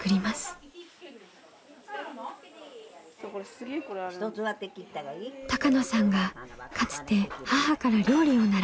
高野さんがかつて母から料理を習った台所。